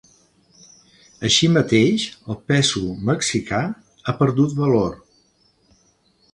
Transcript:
Així mateix, el peso mexicà ha perdut valor.